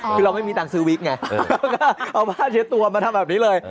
คือเราไม่มีตังค์ซื้อวิกไงเอาผ้าเช็ดตัวมาทำแบบนี้เลย